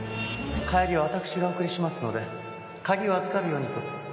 帰りはわたくしがお送りしますので鍵を預かるようにと。